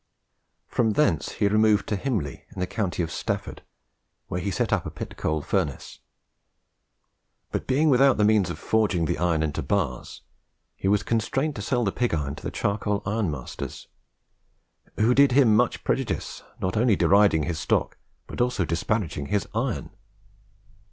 From thence he removed to Himley in the county of Stafford, where he set up a pit coal furnace; but being without the means of forging the iron into bars, he was constrained to sell the pig iron to the charcoal ironmasters, "who did him much prejudice, not only by detaining his stock, but also by disparaging his iron."